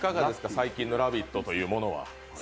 最近の「ラヴィット！」っていうものは。